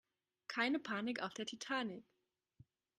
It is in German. Keine Panik auf der Titanic